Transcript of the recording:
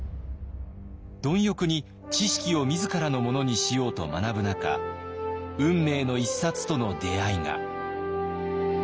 貪欲に知識を自らのものにしようと学ぶ中運命の一冊との出会いが。